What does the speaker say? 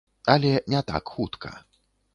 Але не так хутка.